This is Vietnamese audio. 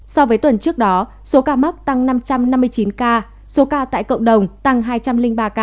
so với tuần trước đó số ca mắc tăng năm trăm năm mươi chín ca số ca tại cộng đồng tăng hai trăm linh ba ca